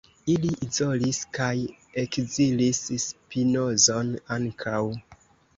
Ili izolis kaj ekzilis Spinozon ankaŭ.